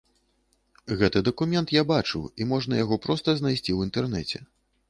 Гэты дакумент я бачыў і можна яго проста знайсці ў інтэрнэце.